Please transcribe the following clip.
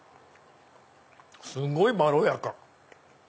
すごいまろやか！